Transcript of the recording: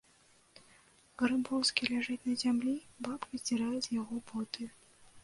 Грыбоўскі ляжыць на зямлі, бабка здзірае з яго боты.